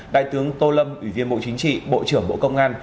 đại tướng tô lâm ủy viên bộ chính trị bộ trưởng bộ công an